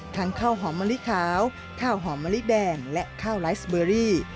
ข้าวหอมมะลิขาวข้าวหอมมะลิแดงและข้าวไลฟ์สเบอรี่